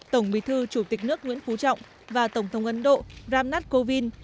tổng bí thư chủ tịch nước nguyễn phú trọng và tổng thống ấn độ ram nath kovind